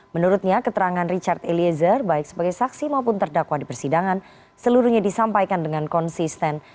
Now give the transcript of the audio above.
menurutnya keterangan richard eliezer baik sebagai saksi maupun terdakwa di persidangan seluruhnya disampaikan dengan konsisten